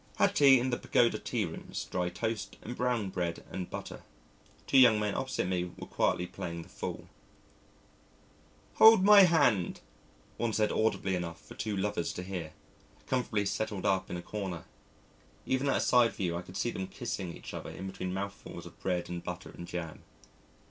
Had tea in the Pagoda tea rooms, dry toast and brown bread and butter. Two young men opposite me were quietly playing the fool. "Hold my hand," one said audibly enough for two lovers to hear, comfortably settled up in a corner. Even at a side view I could see them kissing each other in between mouthfuls of bread and butter and jam.